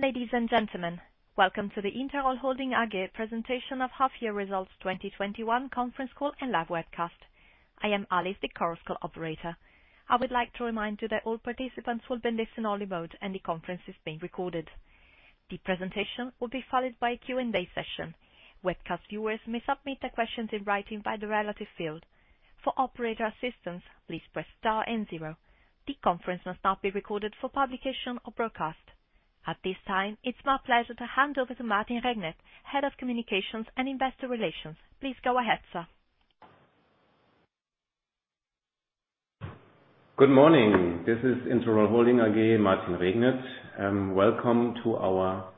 Ladies and gentlemen, welcome to the Interroll Holding AG presentation of half year results 2021 conference call and live webcast. I am Alice, the conference call operator. I would like to remind you that all participants will be in listen-only mode and the conference is being recorded. The presentation will be followed by a Q&A session. Webcast viewers may submit their questions in writing by the related field. For operator assistance, please press star and zero. The conference must not be recorded for publication or broadcast. At this time, it's my pleasure to hand over to Martin Regnet, Head of Communications and Investor Relations. Please go ahead, sir. Good morning. This is Interroll Holding AG, Martin Regnet. Welcome to our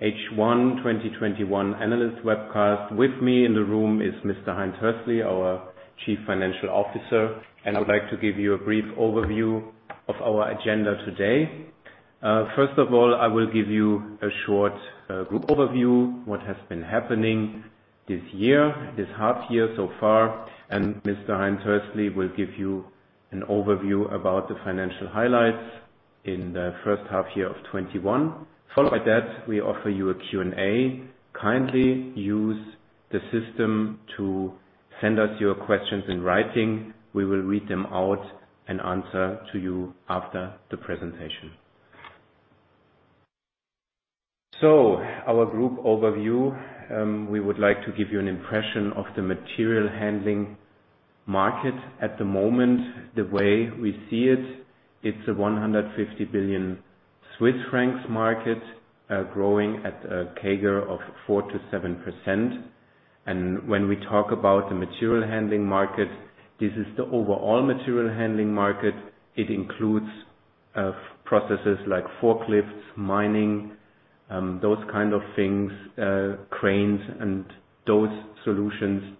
H1 2021 analyst webcast. With me in the room is Mr. Heinz Hössli, our Chief Financial Officer. I would like to give you a brief overview of our agenda today. First of all, I will give you a short group overview, what has been happening this half year so far. Mr. Heinz Hössli will give you an overview about the financial highlights in the first half year of 2021. Followed by that, we offer you a Q&A. Kindly use the system to send us your questions in writing. We will read them out and answer to you after the presentation. Our group overview. We would like to give you an impression of the material handling market. At the moment, the way we see it's a 150 billion Swiss francs market, growing at a CAGR of 4%-7%. When we talk about the material handling market, this is the overall material handling market. It includes processes like forklifts, mining, those kind of things, cranes, and those solutions.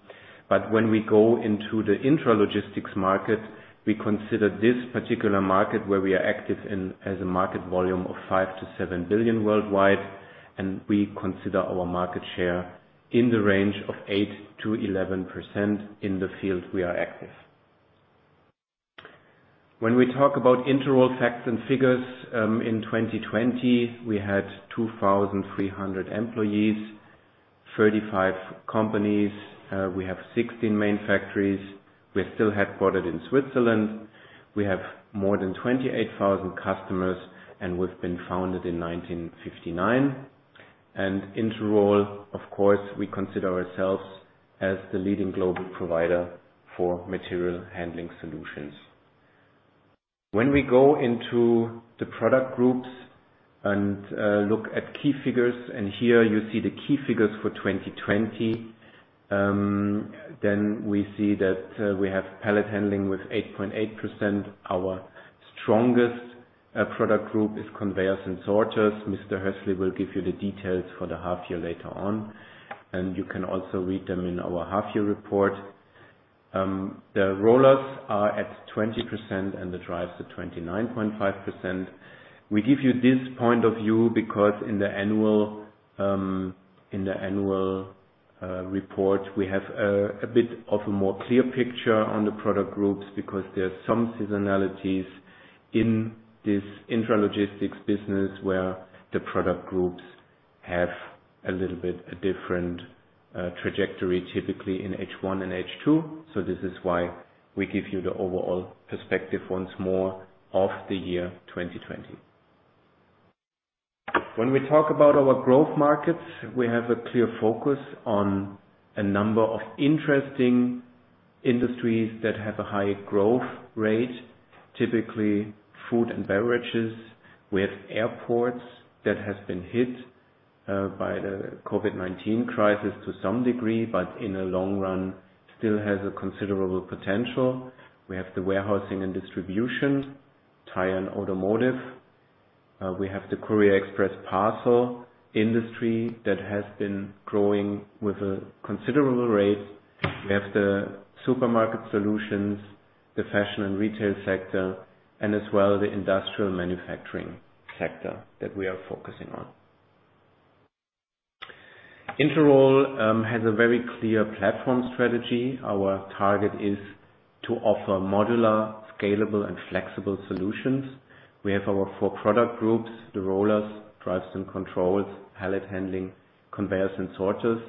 When we go into the intralogistics market, we consider this particular market where we are active in as a market volume of 5 billion-7 billion worldwide, and we consider our market share in the range of 8%-11% in the field we are active. When we talk about Interroll facts and figures, in 2020, we had 2,300 employees, 35 companies. We have 16 main factories. We're still headquartered in Switzerland. We have more than 28,000 customers, and we've been founded in 1959. Interroll, of course, we consider ourselves as the leading global provider for material handling solutions. When we go into the product groups and look at key figures, here you see the key figures for 2020, we see that we have pallet handling with 8.8%. Our strongest product group is conveyors and sorters. Mr. Hössli will give you the details for the half year later on. You can also read them in our half year report. The rollers are at 20% and the drives at 29.5%. We give you this point of view because in the annual report, we have a bit of a more clear picture on the product groups because there are some seasonalities in this intralogistics business where the product groups have a little bit of a different trajectory, typically in H1 and H2. This is why we give you the overall perspective once more of the year 2020. When we talk about our growth markets, we have a clear focus on a number of interesting industries that have a high growth rate, typically food and beverages. We have airports that have been hit by the COVID-19 crisis to some degree, but in the long run still has a considerable potential. We have the warehousing and distribution, tire and automotive. We have the courier express parcel industry that has been growing with a considerable rate. We have the supermarket solutions, the fashion and retail sector, and as well the industrial manufacturing sector that we are focusing on. Interroll has a very clear platform strategy. Our target is to offer modular, scalable, and flexible solutions. We have our four product groups, the rollers, drives and controls, pallet handling, conveyors and sorters.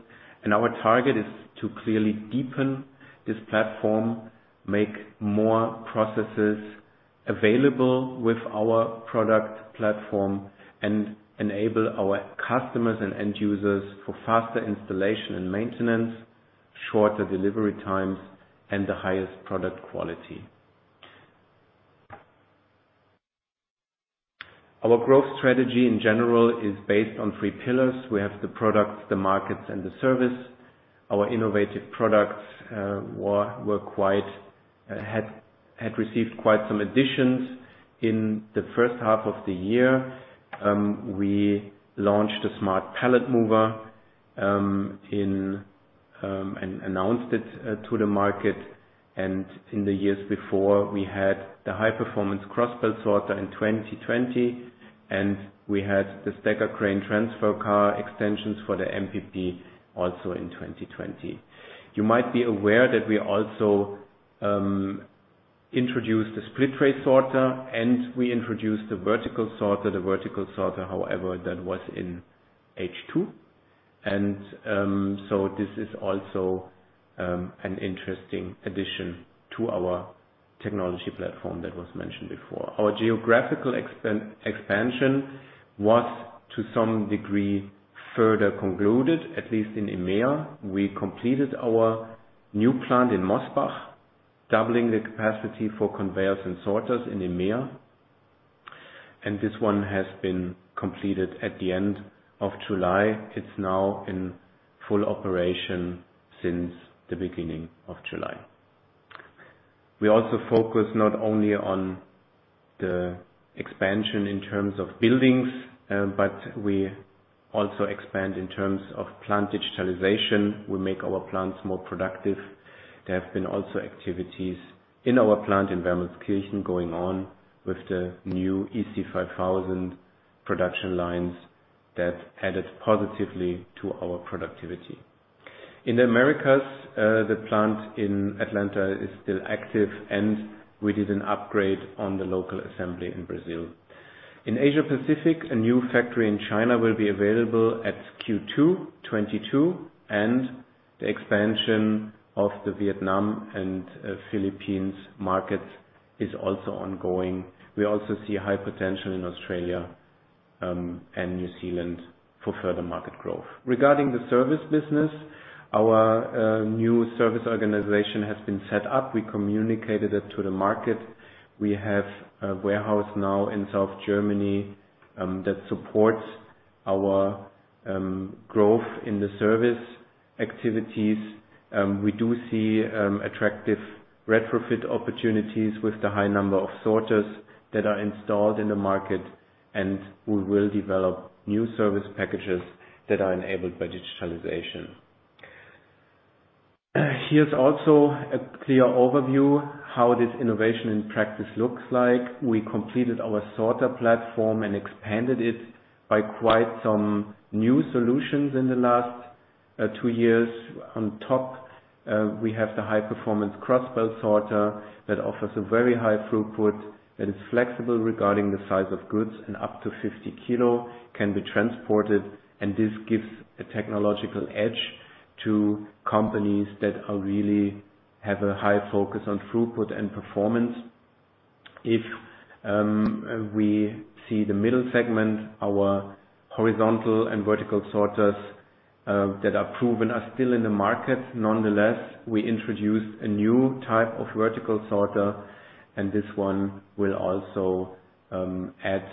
Our target is to clearly deepen this platform, make more processes available with our product platform, and enable our customers and end users for faster installation and maintenance, shorter delivery times, and the highest product quality. Our growth strategy in general is based on three pillars. We have the products, the markets, and the service. Our innovative products had received quite some additions in the 1st half of the year. We launched a Smart Pallet Mover, and announced it to the market. In the years before, we had the High-Performance Crossbelt Sorter in 2020, and we had the Stacker Crane Transfer Car extensions for the MPP also in 2020. You might be aware that we also introduced the Split Tray Sorter, and we introduced the Vertical Sorter. The Vertical Sorter, however, that was in H2. This is also an interesting addition to our technology platform that was mentioned before. Our geographical expansion was to some degree further concluded, at least in EMEA. We completed our new plant in Mosbach, doubling the capacity for conveyors and sorters in EMEA. This one has been completed at the end of July. It's now in full operation since the beginning of July. We also focus not only on the expansion in terms of buildings, but we also expand in terms of plant digitalization. We make our plants more productive. There have been also activities in our plant in Wermelskirchen going on with the new EC5000 production lines that added positively to our productivity. In the Americas, the plant in Atlanta is still active, and we did an upgrade on the local assembly in Brazil. In Asia Pacific, a new factory in China will be available at Q2 2022, and the expansion of the Vietnam and Philippines markets is also ongoing. We also see high potential in Australia and New Zealand for further market growth. Regarding the service business, our new service organization has been set up. We communicated it to the market. We have a warehouse now in South Germany that supports our growth in the service activities. We do see attractive retrofit opportunities with the high number of sorters that are installed in the market, and we will develop new service packages that are enabled by digitalization. Here's also a clear overview how this innovation in practice looks like. We completed our sorter platform and expanded it by quite some new solutions in the last two years. On top, we have the High-Performance Crossbelt Sorter that offers a very high throughput, that is flexible regarding the size of goods. Up to 50 kilo can be transported. This gives a technological edge to companies that really have a high focus on throughput and performance. If we see the middle segment, our horizontal and vertical sorters that are proven are still in the market. Nonetheless, we introduced a new type of Vertical Sorter, and this one will also add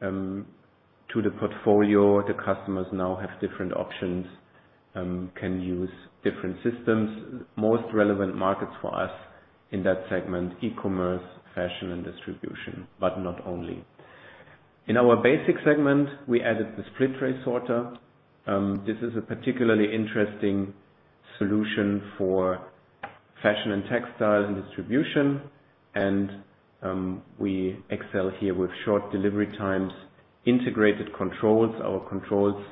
to the portfolio. The customers now have different options, can use different systems. Most relevant markets for us in that segment, e-commerce, fashion, and distribution, but not only. In our basic segment, we added the Split Tray Sorter. This is a particularly interesting solution for fashion and textile and distribution. We excel here with short delivery times, integrated controls. Our controls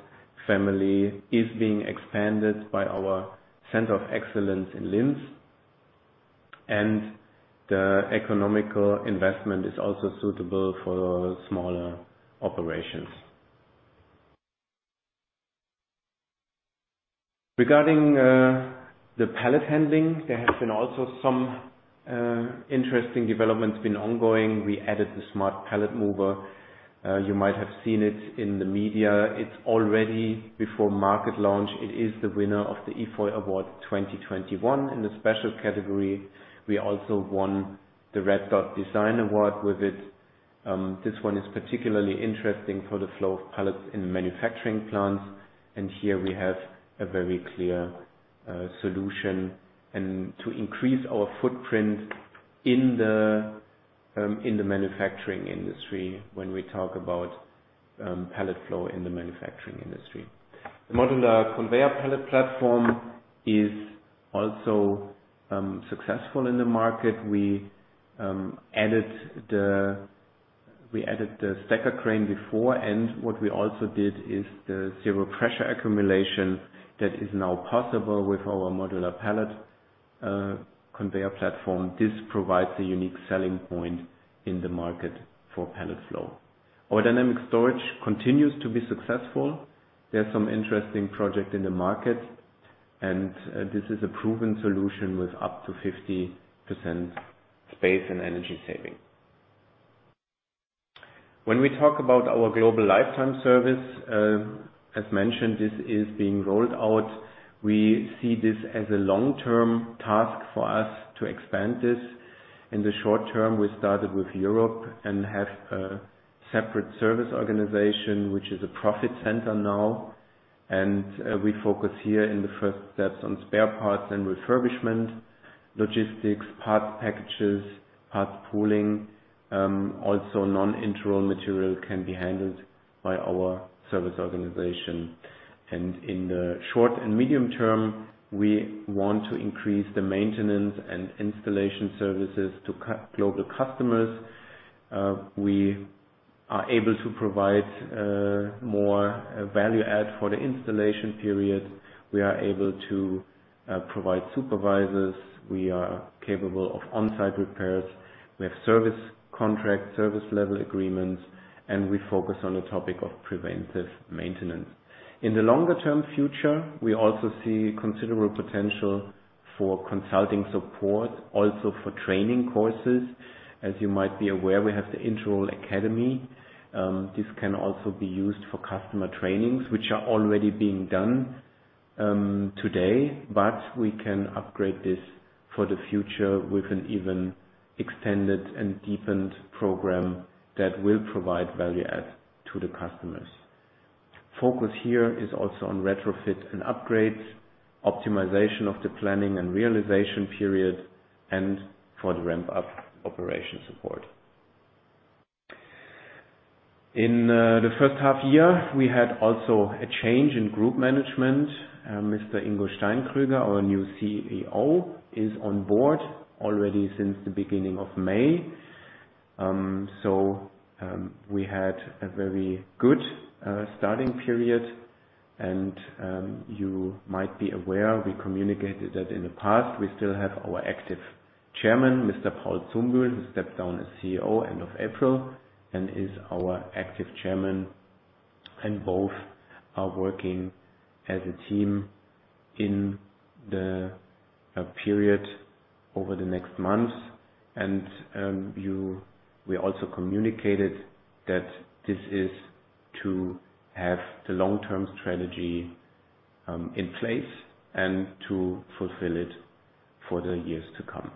family is being expanded by our center of excellence in Linz, and the economical investment is also suitable for smaller operations. Regarding the pallet handling, there have been also some interesting developments been ongoing. We added the Smart Pallet Mover. You might have seen it in the media. It's already before market launch. It is the winner of the IFOY Award 2021 in the special category. We also won the Red Dot Design Award with it. This one is particularly interesting for the flow of pallets in the manufacturing plants, and here we have a very clear solution. To increase our footprint in the manufacturing industry when we talk about pallet flow in the manufacturing industry. The Modular Pallet Conveyor Platform is also successful in the market. We added the Stacker Crane before, and what we also did is the zero-pressure-accumulation that is now possible with our Modular Pallet Conveyor Platform. This provides a unique selling point in the market for pallet flow. Our Dynamic Storage continues to be successful. There are some interesting project in the market, and this is a proven solution with up to 50% space and energy saving. When we talk about our Global Lifetime Service, as mentioned, this is being rolled out. We see this as a long-term task for us to expand this. In the short term, we started with Europe and have a separate service organization, which is a profit center now. We focus here in the first steps on spare parts and refurbishment, logistics, parts packages, parts pooling. Also, non-Interroll material can be handled by our service organization. In the short and medium term, we want to increase the maintenance and installation services to global customers. We are able to provide more value add for the installation period. We are able to provide supervisors. We are capable of on-site repairs. We have service contract, service level agreements, and we focus on the topic of preventive maintenance. In the longer-term future, we also see considerable potential for consulting support, also for training courses. As you might be aware, we have the Interroll Academy. This can also be used for customer trainings, which are already being done today. We can upgrade this for the future with an even extended and deepened program that will provide value add to the customers. Focus here is also on retrofit and upgrades, optimization of the planning and realization period, and for the ramp-up operation support. In the first half-year, we had also a change in Group Management. Mr. Ingo Steinkrüger, our new CEO, is on board already since the beginning of May. We had a very good starting period and, you might be aware, we communicated that in the past. We still have our active Chairman, Mr. Paul Zumbühl, who stepped down as CEO end of April and is our active Chairman, and both are working as a team in the period over the next months. We also communicated that this is to have the long-term strategy in place and to fulfill it for the years to come.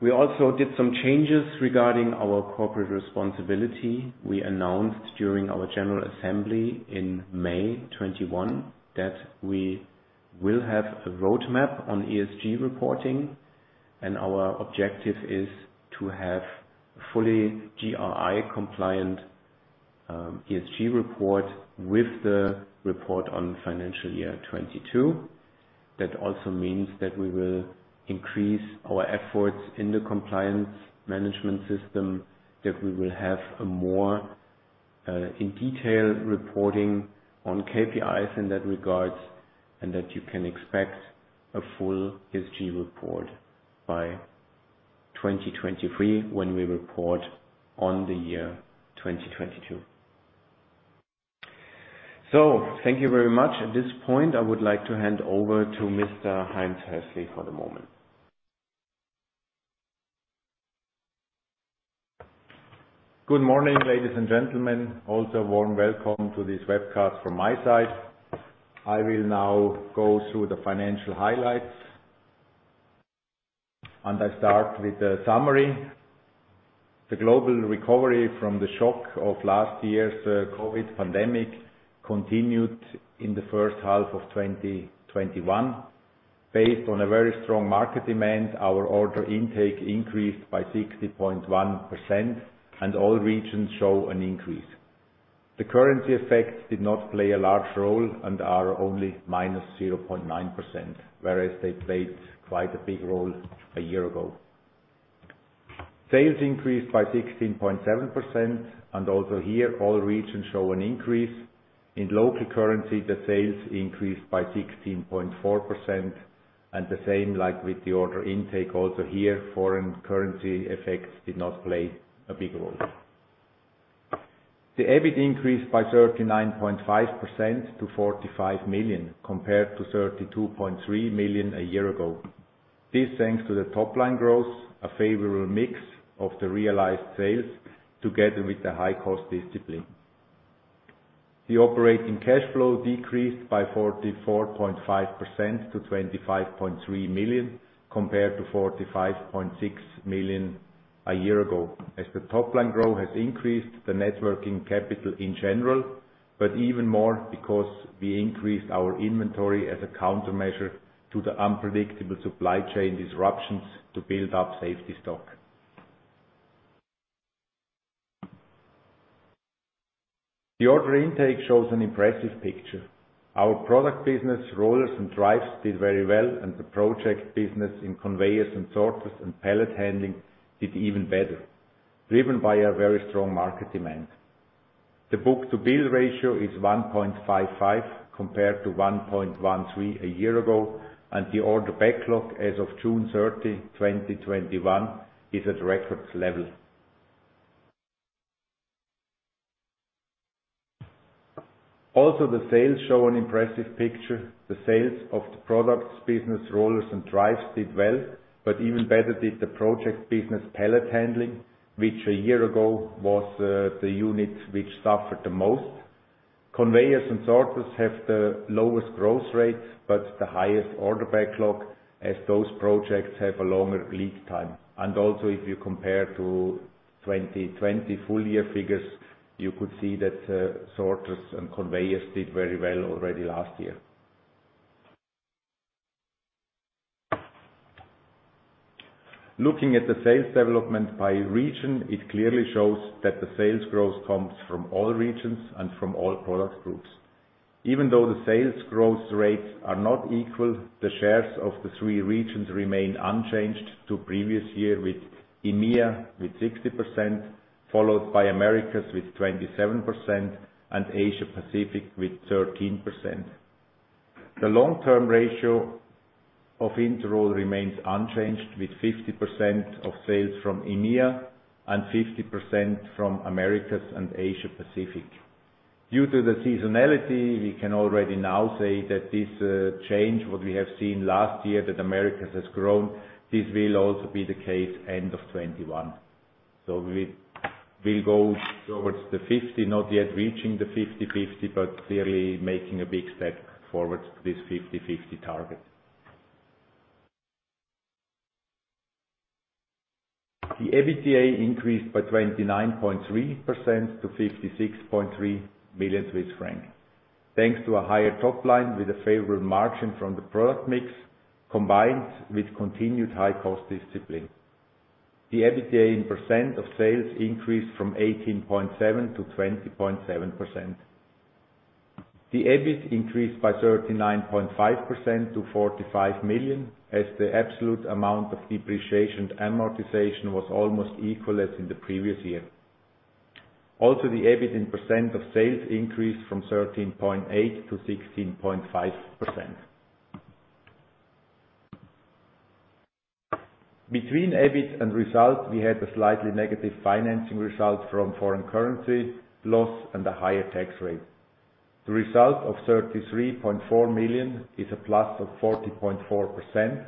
We also did some changes regarding our corporate responsibility. We announced during our general assembly in May 2021 that we will have a roadmap on ESG reporting, and our objective is to have fully GRI-compliant ESG report with the report on financial year 2022. That also means that we will increase our efforts in the compliance management system, that we will have a more in detail reporting on KPIs in that regard, and that you can expect a full ESG report by 2023, when we report on the year 2022. Thank you very much. At this point, I would like to hand over to Mr. Heinz Hössli for the moment. Good morning, ladies and gentlemen. Also, warm welcome to this webcast from my side. I will now go through the financial highlights. I start with the summary. The global recovery from the shock of last year's COVID pandemic continued in the first half of 2021. Based on a very strong market demand, our order intake increased by 60.1%, and all regions show an increase. The currency effects did not play a large role and are only minus 0.9%, whereas they played quite a big role a year ago. Sales increased by 16.7%, and also here all regions show an increase. In local currency, the sales increased by 16.4%, and the same like with the order intake, also here, foreign currency effects did not play a big role. The EBIT increased by 39.5% to 45 million, compared to 32.3 million a year ago. This thanks to the top-line growth, a favorable mix of the realized sales together with the high cost discipline. The operating cash flow decreased by 44.5% to 25.3 million, compared to 45.6 million a year ago, as the top-line growth has increased the net working capital in general, but even more because we increased our inventory as a countermeasure to the unpredictable supply chain disruptions to build up safety stock. The order intake shows an impressive picture. Our product business, Rollers & Drives, did very well, and the project business in Conveyors and Sorters and Pallet Handling did even better, driven by a very strong market demand. The book-to-bill ratio is 1.55 compared to 1.13 a year ago, and the order backlog as of June 30, 2021, is at record level. Also, the sales show an impressive picture. The sales of the products business Rollers & Drives did well, but even better did the project business Pallet Handling, which a year ago was the unit which suffered the most. Conveyors and Sorters have the lowest growth rates, but the highest order backlog as those projects have a longer lead time. Also if you compare to 2020 full-year figures, you could see that Sorters and Conveyors did very well already last year. Looking at the sales development by region, it clearly shows that the sales growth comes from all regions and from all product groups. Even though the sales growth rates are not equal, the shares of the three regions remain unchanged to previous year with EMEA with 60%, followed by Americas with 27%, and Asia Pacific with 13%. The long-term ratio of Interroll remains unchanged, with 50% of sales from EMEA and 50% from Americas and Asia Pacific. Due to the seasonality, we can already now say that this change, what we have seen last year, that Americas has grown, this will also be the case end of 2021. We will go towards the 50, not yet reaching the 50/50, but clearly making a big step towards this 50/50 target. The EBITDA increased by 29.3% to 56.3 million Swiss francs. Thanks to a higher top line with a favorable margin from the product mix, combined with continued high cost discipline. The EBITDA in percent of sales increased from 18.7% to 20.7%. The EBIT increased by 39.5% to 45 million, as the absolute amount of depreciation amortization was almost equal as in the previous year. The EBIT in percent of sales increased from 13.8% to 16.5%. Between EBIT and result, we had a slightly negative financing result from foreign currency loss and a higher tax rate. The result of 33.4 million is a plus of 40.4%.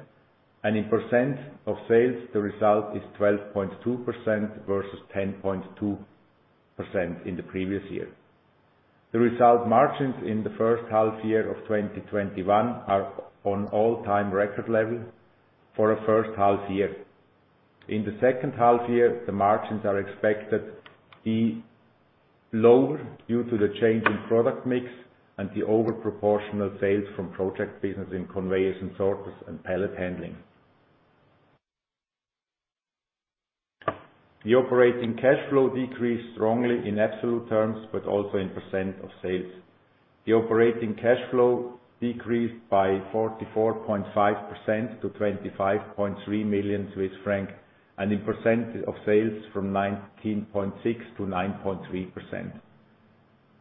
In percent of sales, the result is 12.2% versus 10.2% in the previous year. The result margins in the first half year of 2021 are on all-time record level for a first half year. In the second half year, the margins are expected to be lower due to the change in product mix and the overproportional sales from project business in conveyors and sorters and pallet handling. The operating cash flow decreased strongly in absolute terms, also in percent of sales. The operating cash flow decreased by 44.5% to 25.3 million Swiss francs. In percent of sales, from 19.6% to 9.3%.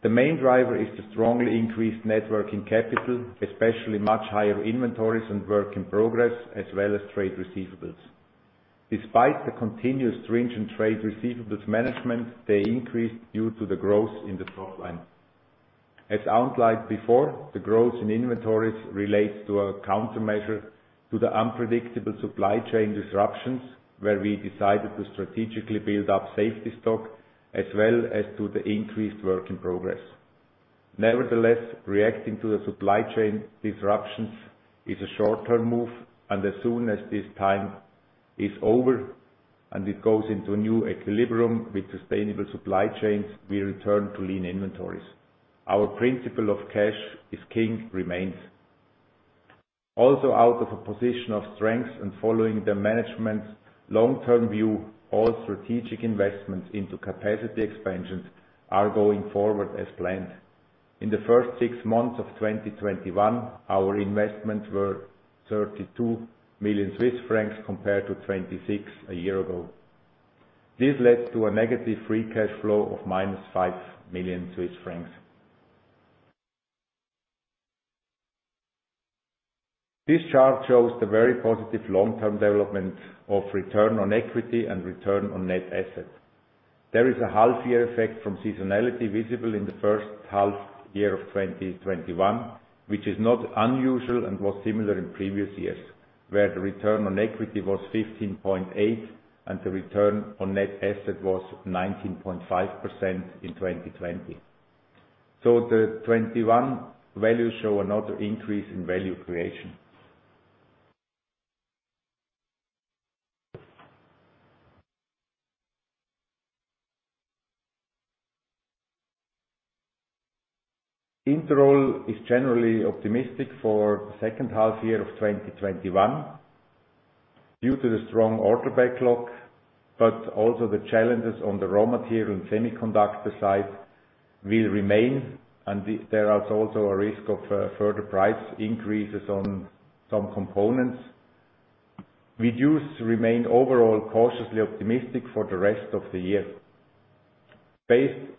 The main driver is the strongly increased net working capital, especially much higher inventories and work in progress, as well as trade receivables. Despite the continuous stringent trade receivables management, they increased due to the growth in the top line. As outlined before, the growth in inventories relates to a countermeasure to the unpredictable supply chain disruptions, where we decided to strategically build up safety stock as well as to the increased work in progress. Nevertheless, reacting to the supply chain disruptions is a short-term move, and as soon as this time is over and it goes into a new equilibrium with sustainable supply chains, we return to lean inventories. Our principle of cash is king remains. Also, out of a position of strength and following the management's long-term view, all strategic investments into capacity expansions are going forward as planned. In the first six months of 2021, our investments were 32 million Swiss francs compared to 26 million a year ago. This led to a negative free cash flow of minus 5 million Swiss francs. This chart shows the very positive long-term development of return on equity and return on net assets. There is a half-year effect from seasonality visible in the first half of 2021, which is not unusual and was similar in previous years, where the return on equity was 15.8% and the return on net asset was 19.5% in 2020. The 2021 values show another increase in value creation. Interroll is generally optimistic for the second half of 2021 due to the strong order backlog, but also the challenges on the raw material and semiconductor side will remain, and there is also a risk of further price increases on some components. We do remain overall cautiously optimistic for the rest of the year. Based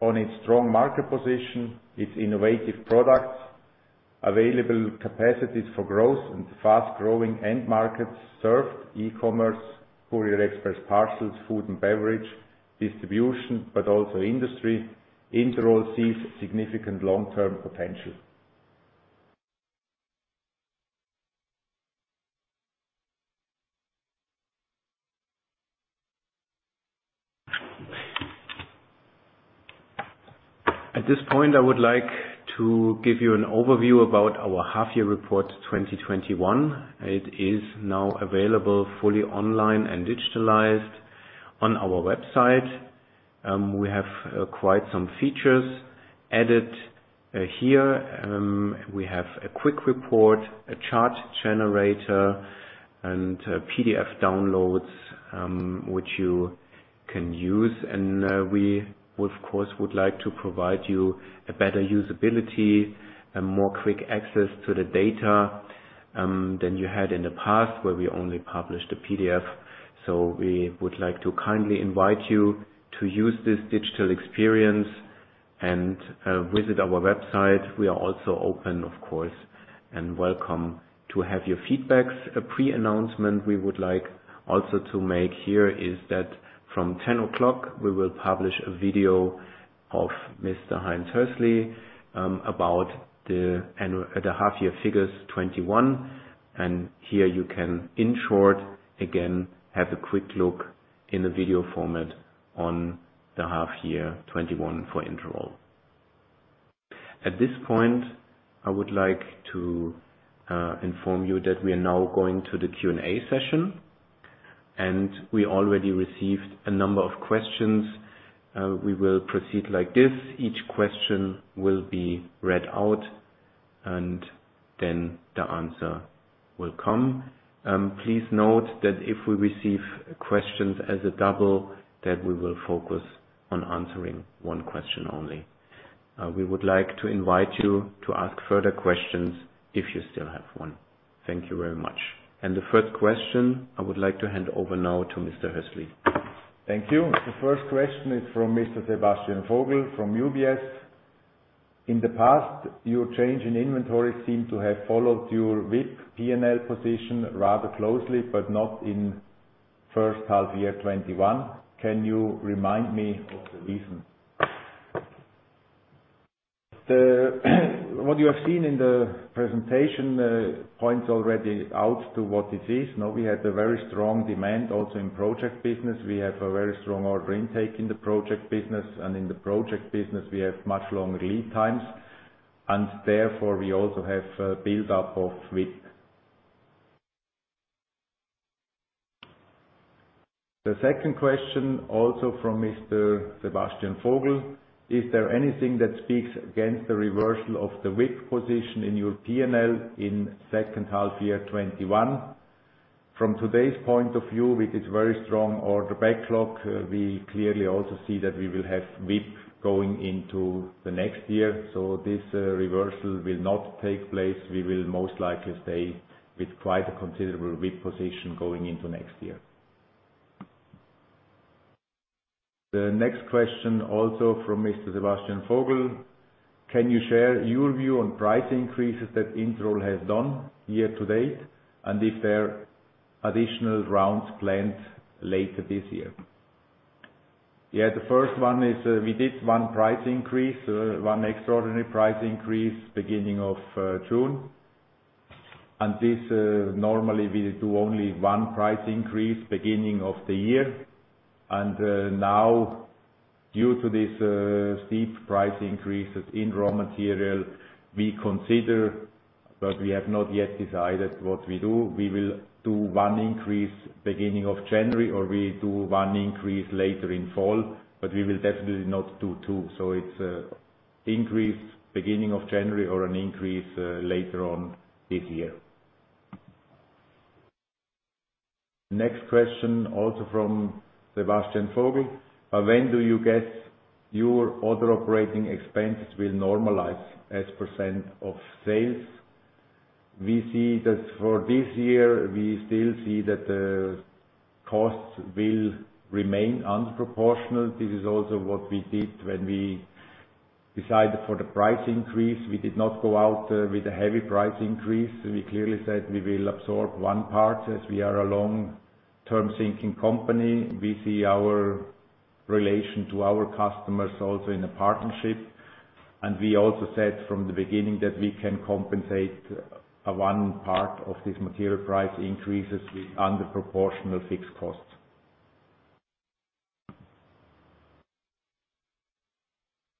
on its strong market position, its innovative products, available capacities for growth, and fast-growing end markets served, e-commerce, courier express parcels, food and beverage distribution, but also industry, Interroll sees significant long-term potential. At this point, I would like to give you an overview about our half-year report 2021. It is now available fully online and digitalized on our website. We have quite some features added here. We have a quick report, a chart generator, and PDF downloads, which you can use. We of course would like to provide you a better usability and quicker access to the data than you had in the past where we only published a PDF. We would like to kindly invite you to use this digital experience and visit our website. We are also open, of course, and welcome to have your feedback. A pre-announcement we would like also to make here is that from 10:00 A.M., we will publish a video of Mr. Heinz Hössli about the half-year figures 2021. Here you can, in short, again, have a quick look in the video format on the half year 2021 for Interroll. At this point, I would like to inform you that we are now going to the Q&A session. We already received a number of questions. We will proceed like this. Each question will be read out, and then the answer will come. Please note that if we receive questions as a double, that we will focus on answering one question only. We would like to invite you to ask further questions if you still have one. Thank you very much. The first question I would like to hand over now to Mr. Hössli. Thank you. The first question is from Mr. Sebastian Vogel from UBS. In the past, your change in inventory seemed to have followed your WIP P&L position rather closely, but not in first half year 2021. Can you remind me of the reason? What you have seen in the presentation points already out to what it is. We had a very strong demand also in project business. We have a very strong order intake in the project business, and in the project business, we have much longer lead times, and therefore we also have a buildup of WIP. The second question, also from Mr. Sebastian Vogel. Is there anything that speaks against the reversal of the WIP position in your P&L in second half year 2021? From today's point of view, with its very strong order backlog, we clearly also see that we will have WIP going into the next year. This reversal will not take place. We will most likely stay with quite a considerable WIP position going into next year. The next question, also from Mr. Sebastian Vogel. Can you share your view on price increases that Interroll has done year to date, and if there are additional rounds planned later this year? Yeah, the first one is, we did one price increase, one extraordinary price increase beginning of June. This, normally we do only one price increase beginning of the year. Now, due to these steep price increases in raw material, we consider, but we have not yet decided what we do. We will do one increase beginning of January, or we do one increase later in fall, but we will definitely not do two. It's increase beginning of January or an increase later on this year. Next question, also from Sebastian Vogel. When do you guess your other operating expenses will normalize as % of sales? We see that for this year, we still see that the costs will remain unproportional. This is also what we did when we decided for the price increase. We did not go out with a heavy price increase. We clearly said we will absorb one part as we are a long-term thinking company. We see our relation to our customers also in a partnership. We also said from the beginning that we can compensate 1 part of this material price increases with under proportional fixed costs.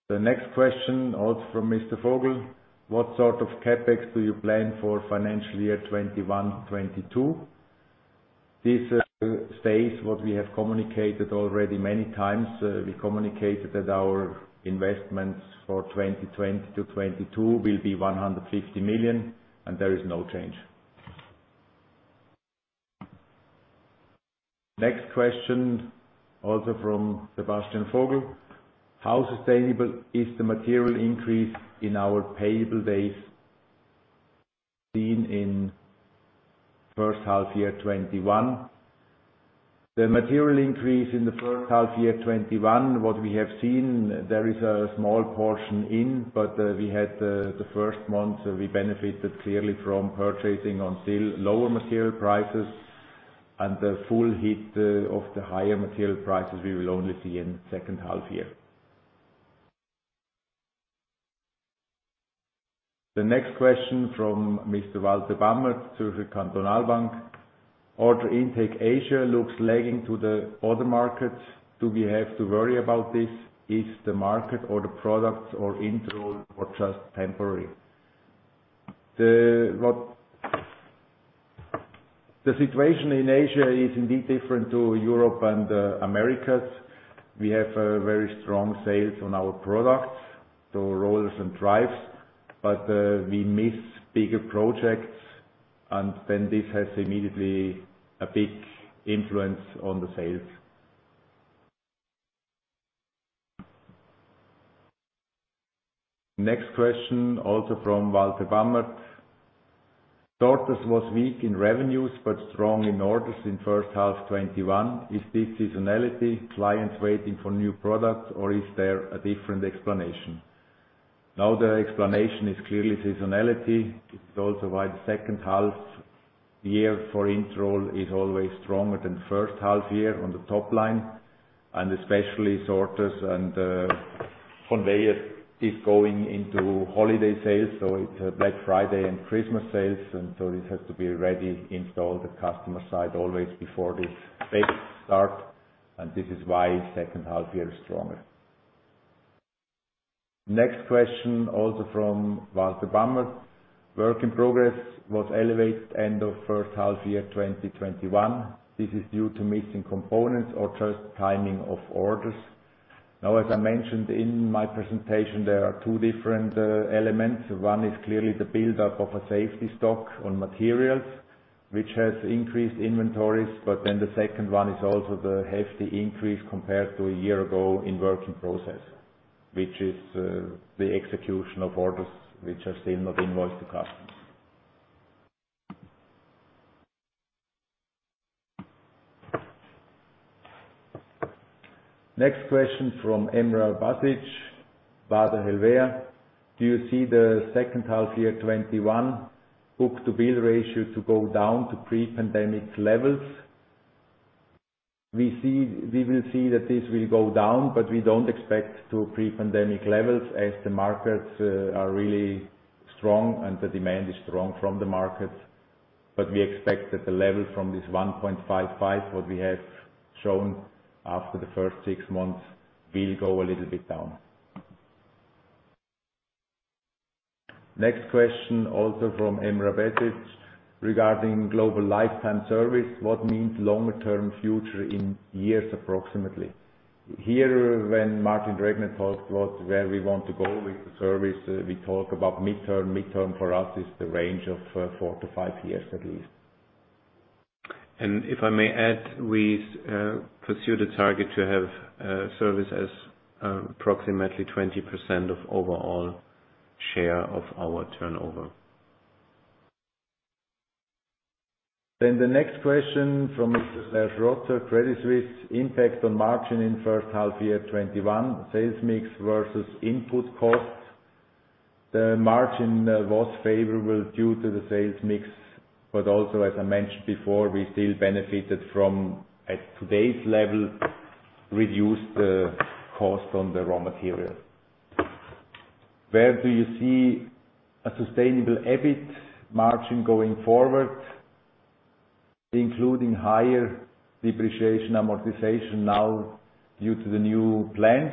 The next question, also from Mr. Vogel. What sort of CapEx do you plan for financial year 2021-2022? This states what we have communicated already many times. We communicated that our investments for 2020 to 2022 will be 150 million, and there is no change. Next question, also from Sebastian Vogel. How sustainable is the material increase in our payable days seen in first half year 2021? The material increase in the first half year 2021, what we have seen, there is a small portion in, but we had the first month, we benefited clearly from purchasing on still lower material prices, and the full hit of the higher material prices we will only see in the second half year. The next question from Mr. Walter Bamert, Zürcher Kantonalbank. Order intake Asia looks lagging to the other markets. Do we have to worry about this? Is the market or the products or Interroll or just temporary? The situation in Asia is indeed different to Europe and the Americas. We have very strong sales on our products, so rolls and drives. We miss bigger projects, and then this has immediately a big influence on the sales. Next question, also from Walter Bamert. "Sorters was weak in revenues but strong in orders in first half 2021. Is this seasonality, clients waiting for new products, or is there a different explanation?" The explanation is clearly seasonality. It is also why the second half for Interroll is always stronger than first half on the top line, and especially sorters and conveyors is going into holiday sales, so it's Black Friday and Christmas sales, and so this has to be ready, installed at customer site always before this phase start, and this is why second half is stronger. Next question, also from Walter Bamert. Work in process was elevated end of first half year 2021. This is due to missing components or just timing of orders? As I mentioned in my presentation, there are two different elements. One is clearly the build-up of a safety stock on materials, which has increased inventories. The second one is also the hefty increase compared to a year ago in work in process, which is the execution of orders which are still not invoiced to customers. Next question from Emre Basic, Baader Helvea. "Do you see the second half year 2021 book-to-bill ratio to go down to pre-pandemic levels?" We will see that this will go down, we don't expect to pre-pandemic levels as the markets are really strong and the demand is strong from the markets. We expect that the level from this 1.55, what we have shown after the first six months, will go a little bit down. Next question, also from Emre Basic. "Regarding Global Lifetime Service, what means longer-term future in years approximately?" Here, when Martin Regnet talked about where we want to go with the service, we talk about midterm. Midterm for us is the range of four to five years at least. If I may add, we pursue the target to have service as approximately 20% of overall share of our turnover. The next question from Mr. Serge Rotter, Credit Suisse. "Impact on margin in first half year 2021, sales mix versus input cost?" The margin was favorable due to the sales mix, also, as I mentioned before, we still benefited from, at today's level, reduced cost on the raw material. "Where do you see a sustainable EBIT margin going forward, including higher depreciation amortization now due to the new plans?"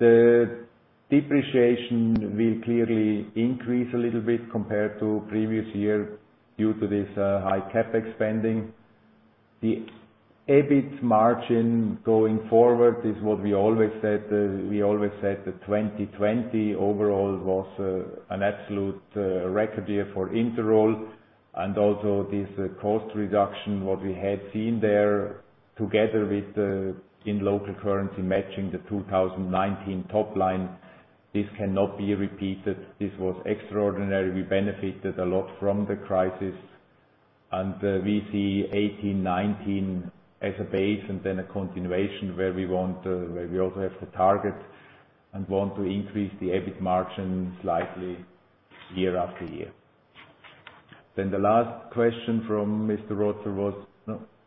The depreciation will clearly increase a little bit compared to previous year due to this high CapEx spending. The EBIT margin going forward is what we always said, that 2020 overall was an absolute record year for Interroll, also this cost reduction, what we had seen there, together with in local currency matching the 2019 top line, this cannot be repeated. This was extraordinary. We benefited a lot from the crisis. We see 2018, 2019 as a base and then a continuation where we also have the target, and want to increase the EBIT margin slightly year after year. The last question from Mr. Rotzer was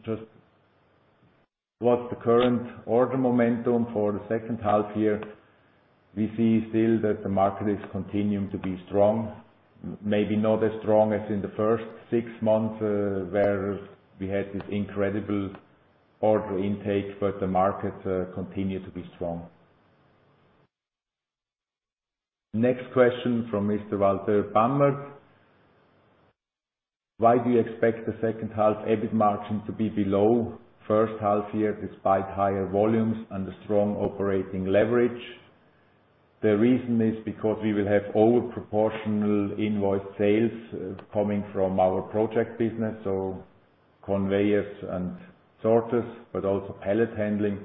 just, "What's the current order momentum for the second half-year?" We see still that the market is continuing to be strong. Maybe not as strong as in the first six months, where we had this incredible order intake, the market continue to be strong. Next question from Mr. Walter Bamert. "Why do you expect the second half-year EBIT margin to be below first half-year despite higher volumes and a strong operating leverage?" The reason is because we will have over-proportional invoiced sales coming from our project business, so conveyors and sorters, but also pallet handling.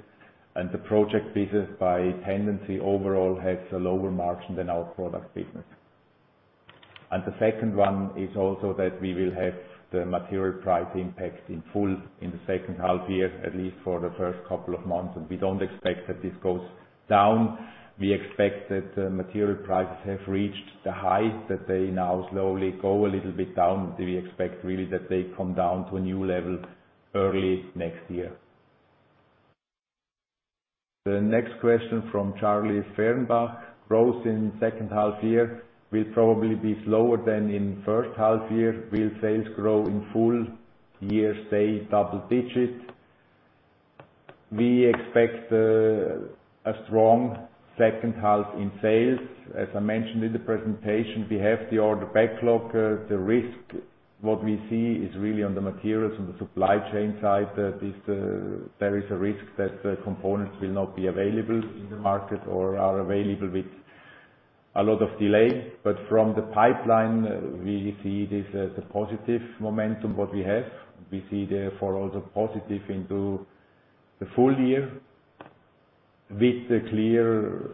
The project business by tendency overall has a lower margin than our product business. The second one is also that we will have the material price impacts in full in the second half year, at least for the first couple of months, we don't expect that this goes down. We expect that material prices have reached the height, that they now slowly go a little bit down. We expect really that they come down to a new level early next year. The next question from Cédric Foin. "Growth in second half year will probably be slower than in first half year. Will sales grow in full year, say, double digits?" We expect a strong second half in sales. As I mentioned in the presentation, we have the order backlog. The risk, what we see, is really on the materials, on the supply chain side. There is a risk that components will not be available in the market or are available with a lot of delay. From the pipeline, we see this as a positive momentum, what we have. We see therefore also positive into the full year, with the clear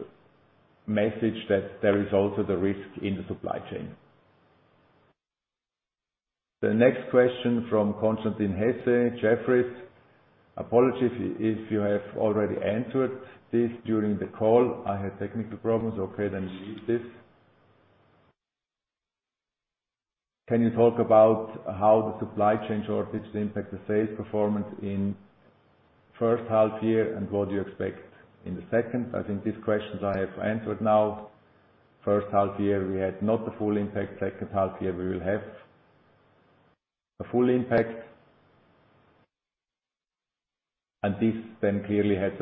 message that there is also the risk in the supply chain. The next question from Constantin Hesse, Jefferies. "Apologies if you have already answered this during the call. I had technical problems." We read this. "Can you talk about how the supply chain shortages impact the sales performance in first half-year and what you expect in the second?" I think these questions I have answered now. First half-year, we had not the full impact. Second half-year, we will have a full impact. This clearly has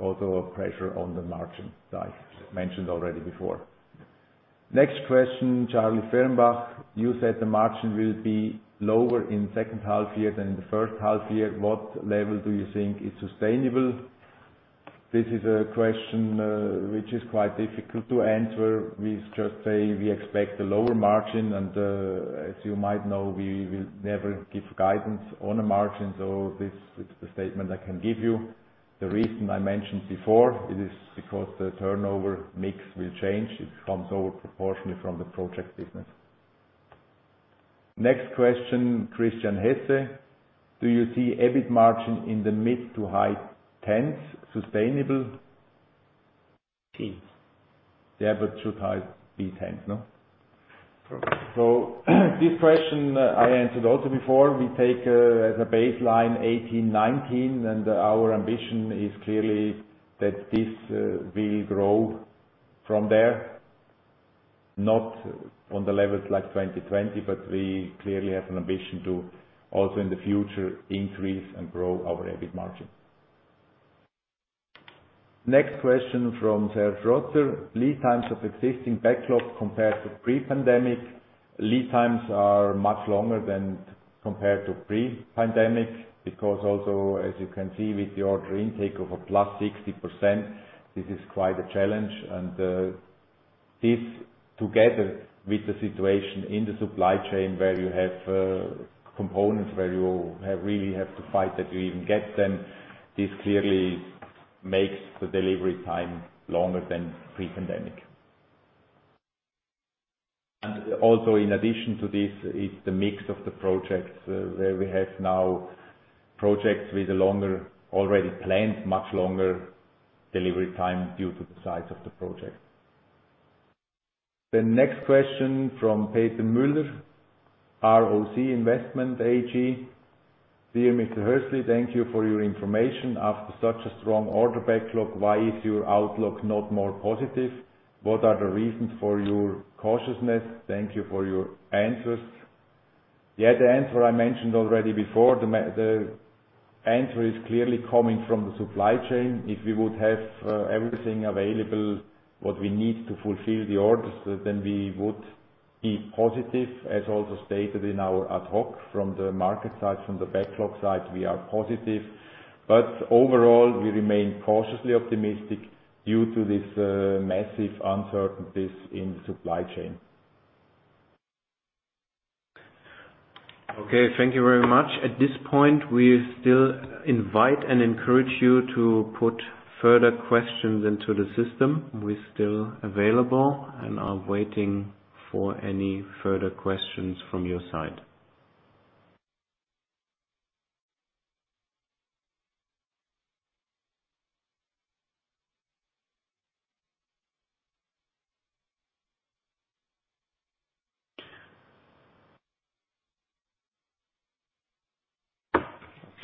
also a pressure on the margin that I mentioned already before. Next question, Cédric Foin. "You said the margin will be lower in second half year than the first half year. What level do you think is sustainable?" This is a question which is quite difficult to answer. We just say we expect a lower margin and, as you might know, we will never give guidance on a margin. This is the statement I can give you. The reason I mentioned before, it is because the turnover mix will change. It comes over proportionally from the project business. Next question, Christian Hesse. "Do you see EBIT margin in the mid to high 10s sustainable? 10s. Yeah, should high be 10s, no? Correct. This question I answered also before. We take as a baseline 2018, 2019, and our ambition is clearly that this will grow from there, not on the levels like 2020, but we clearly have an ambition to also, in the future, increase and grow our EBIT margin. Next question from Serge Rosser. "Lead times of existing backlog compared to pre-pandemic." Lead times are much longer than compared to pre-pandemic, because also, as you can see with the order intake of a +60%, this is quite a challenge. This, together with the situation in the supply chain, where you have components where you really have to fight that you even get them, this clearly makes the delivery time longer than pre-pandemic. Also, in addition to this is the mix of the projects, where we have now projects with a longer, already planned much longer delivery time due to the size of the project. The next question from Peter Müller, ROC Investment AG. "Dear Mr. Hössli, thank you for your information. After such a strong order backlog, why is your outlook not more positive? What are the reasons for your cautiousness? Thank you for your answers." The answer I mentioned already before. The answer is clearly coming from the supply chain. If we would have everything available, what we need to fulfill the orders, then we would be positive. As also stated in our ad hoc, from the market side, from the backlog side, we are positive. Overall, we remain cautiously optimistic due to this massive uncertainties in the supply chain. Okay, thank you very much. At this point, we still invite and encourage you to put further questions into the system. We're still available and are waiting for any further questions from your side.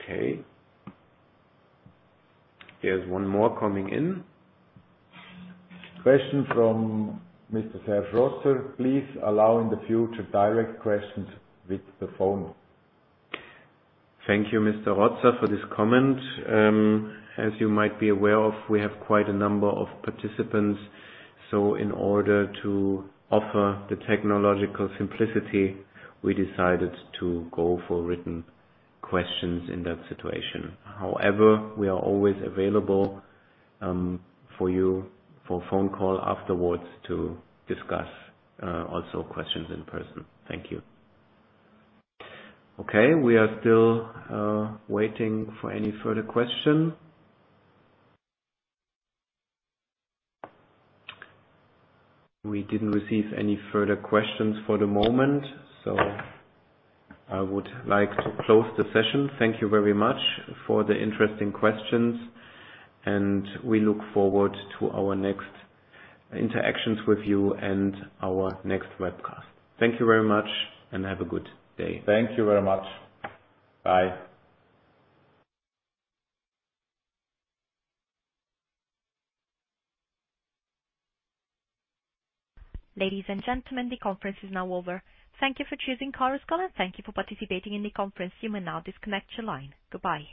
Okay. There's one more coming in. Question from Mr. Serge Rotzer. "Please allow in the future direct questions with the phone. Thank you, Mr. Rotzer, for this comment. As you might be aware of, we have quite a number of participants, so in order to offer the technological simplicity, we decided to go for written questions in that situation. However, we are always available for you for a phone call afterwards to discuss also questions in person. Thank you. Okay. We are still waiting for any further question. We didn't receive any further questions for the moment, so I would like to close the session. Thank you very much for the interesting questions, and we look forward to our next interactions with you and our next webcast. Thank you very much, and have a good day. Thank you very much. Bye. Ladies and gentlemen, the conference is now over. Thank you for choosing Chorus Call, and thank you for participating in the conference. You may now disconnect your line. Goodbye.